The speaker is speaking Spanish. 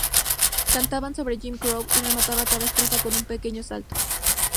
Cantaba sobre Jim Crow y remataba cada estrofa con un pequeño salto.